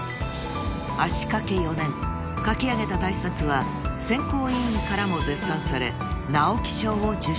［足かけ４年書き上げた大作は選考委員からも絶賛され］